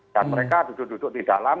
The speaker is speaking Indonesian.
dan mereka duduk duduk di dalam